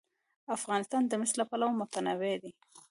افغانستان د مس له پلوه متنوع دی.